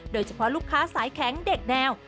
โดยเฉพาะลูกค้าสายแข็งเด็กแนว